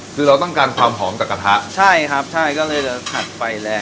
คือเราต้องการความหอมจากกระทะใช่ครับใช่ก็เลยจะผัดไฟแรง